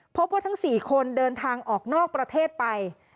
พบว่าทั้ง๔คนเดินทางออกนอกประเทศไป